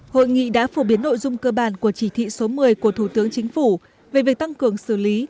hội nghị đã phổ biến nội dung cơ bản của chỉ thị số một mươi của thủ tướng chính phủ về việc tăng cường xử lý